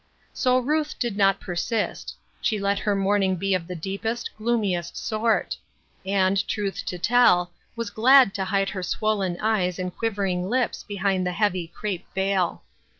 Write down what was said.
So Ruth did not persist ; she let her mourning be of the deepest, gloomiest sort ; and, truth to tell, was glad to hide her swollen eyes and quiver ing lips behind the heavy crepe veil.